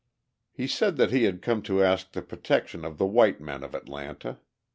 He said that he had come to ask the protection of the white men of Atlanta.